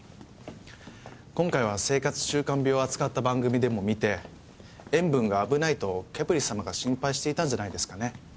今回は生活習慣病を扱った番組でも見て「塩分が危ない」とケプリ様が心配していたんじゃないですかね。